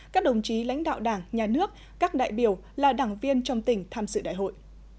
các đồng chí lãnh đạo đảng nhà nước các đại biểu là đảng viên trong tỉnh tham dự đại hội